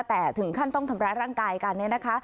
แต่ถึงขั้นต้องทำร้ายร่างกายกันเนี่ยนะคะ